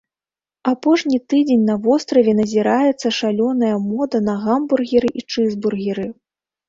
Апошні тыдзень на востраве назіраецца шалёная мода на гамбургеры і чызбургеры.